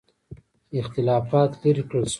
اختلافات لیرې کړل شول.